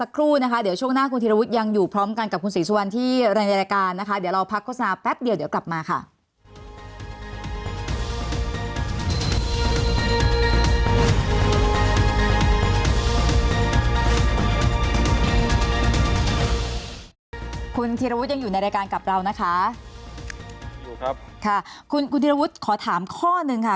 คุณธีรวุฒิยังอยู่ในรายการกับเรานะคะค่ะคุณคุณธีรวุฒิขอถามข้อหนึ่งค่ะ